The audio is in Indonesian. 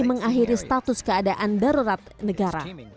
mengakhiri status keadaan darurat negara